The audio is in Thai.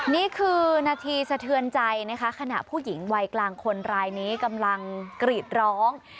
นี่คือนาทีสะเทือนใจนะคะขณะผู้หญิงวัยกลางคนรายนี้กำลังกรีดร้อง